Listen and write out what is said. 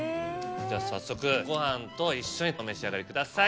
じゃあ早速ご飯と一緒にお召し上がりください。